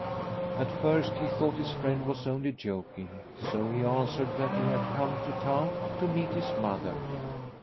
At first he thought his friend was only joking, so he answered that he had come to town to meet his mother.